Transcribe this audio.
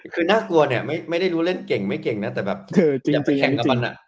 คือน่ากลัวเนี่ยไม่ได้รู้เล่นเก่งไม่เก่งนะแต่แบบคือยังไปแข่งกับมันอ่ะ